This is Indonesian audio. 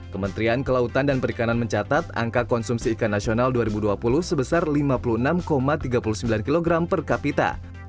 kementerian kelautan dan perikanan mencatat angka konsumsi ikan nasional dua ribu dua puluh sebesar lima puluh enam tiga puluh sembilan kg per kapita